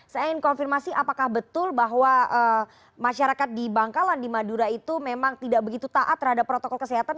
saya ingin konfirmasi apakah betul bahwa masyarakat di bangkalan di madura itu memang tidak begitu taat terhadap protokol kesehatan